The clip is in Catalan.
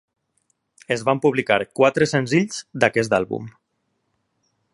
Es van publicar quatre senzills d'aquest àlbum.